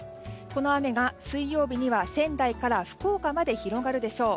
この雨が水曜日には、仙台から福岡まで広がるでしょう。